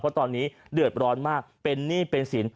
เพราะตอนนี้เดือดร้อนมากเป็นหนี้เป็นสิน